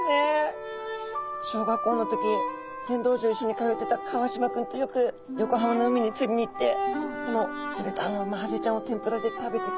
小学校の時剣道場一緒に通ってた川島君とよく横浜の海に釣りに行ってこの釣れたマハゼちゃんを天ぷらで食べてたんですね。